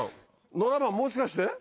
７番もしかして。